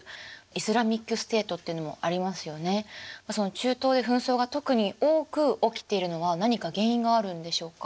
中東で紛争が特に多く起きているのは何か原因があるんでしょうか？